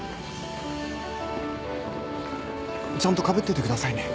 ちゃんとかぶっててくださいね。